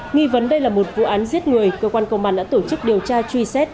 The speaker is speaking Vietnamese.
nghi vấn đây là một vụ án giết người cơ quan công an đã tổ chức điều tra truy xét